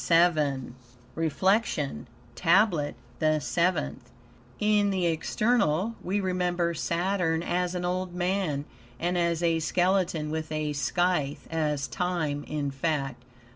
VII REFLECTION TABLET THE SEVENTH In the external we remember Saturn as an old man, and as a skeleton with a scythe as Time, in fact.